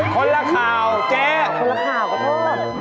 คนละข่าวเจ๊คนละข่าวก็เจอ